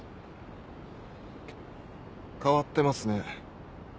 変わってますね。